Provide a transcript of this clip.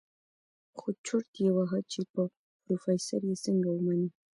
خو چورت يې وهه چې په پروفيسر يې څنګه ومني.